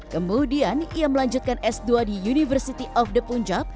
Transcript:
kemudian ia melanjutkan s dua di university of the puncak